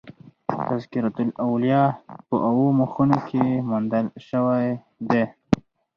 تذکرة الاولیاء" په اوو مخونو کښي موندل سوى دئ.